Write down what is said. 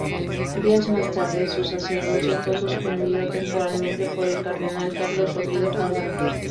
Días más tarde, su sacerdocio fue suspendido temporalmente por el cardenal Carlos Oviedo Cavada.